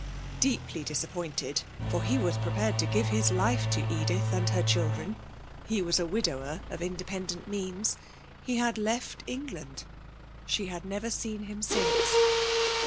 Deeply disappointed for he was prepared to give his life to Edith and her children (he was a widower of independent means) he had left England; she had never seen him since.